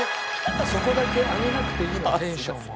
そこだけ上げなくていいのテンションを。